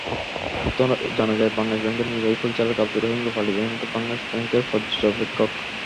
সূত্র জানায়, বাংলাদেশ ব্যাংকের নির্বাহী পরিচালক আবদুর রহিম রুপালী ব্যাংকে বাংলাদেশ ব্যাংকের পর্যবেক্ষক।